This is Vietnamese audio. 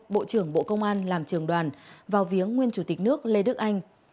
bộ trưởng bộ công an làm trường đoàn vào viếng nguyên chủ tịch nước lê đức anh